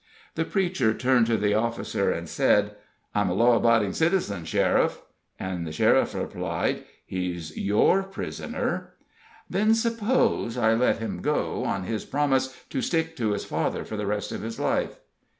The preacher turned to the officer and said: "I'm a law abiding citizen, sheriff." And the sheriff replied: "He's your pris'ner." "Then suppose I let him go, on his promise to stick to his father for the rest of his life!"